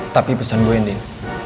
tapi pesan gue din